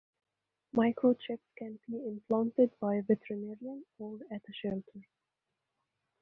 Microchips can be implanted by a veterinarian or at a shelter.